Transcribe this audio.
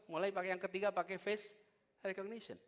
mulai yang ketiga pakai face recognition